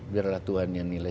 biarlah tuhan yang nilai